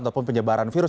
ataupun penyebaran virus